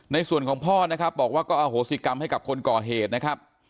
ในส่วนของพ่อนะครับบอกว่าก็อโหสิกรรมให้กับคนก่อเหตุนะครับ